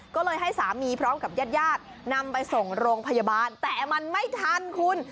ก็เลยให้สามีพร้อมกับญาติญาตินำไปส่งโรงพยาบาลแต่มันไม่ทันคุณ